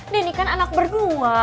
dini kan anak berdua